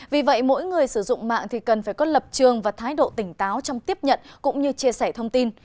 vì vậy mỗi người sử dụng mạng thì cần phải có lập trường và thái độ tỉnh táo trong tiếp nhận cũng như chia sẻ thông tin